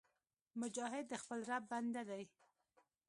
مجاهد د خپل رب بنده دی